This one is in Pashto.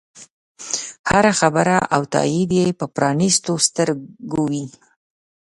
هره خبره او تایید یې په پرانیستو سترګو وي.